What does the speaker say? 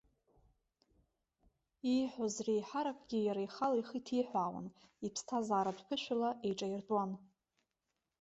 Ииҳәоз реиҳаракгьы иара ихала ихы иҭиҳәаауан, иԥсҭазааратә ԥышәала еиҿаиртәуан.